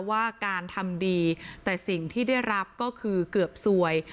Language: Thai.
ว่าการทำดีแต่สิ่งที่ได้รับก็คือเกือบซวย